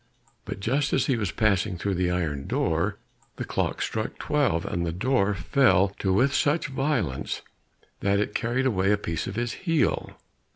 But just as he was passing through the iron door, the clock struck twelve, and the door fell to with such violence that it carried away a piece of his heel.